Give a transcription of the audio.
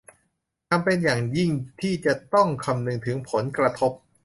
จำเป็นอย่างยิ่งที่จะต้องคำนึงถึงผลกระทบ